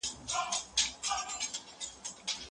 پوهه طاقت ده.